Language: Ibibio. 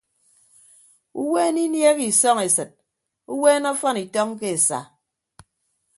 Uweene iniehe isọñ esịt uweene ọfọn itọñ ke esa.